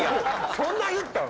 そんな言ったん？